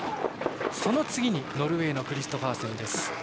その次にノルウェーのクリストファーセンです。